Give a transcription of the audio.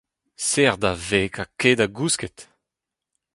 Serr da veg ha kae da gousket !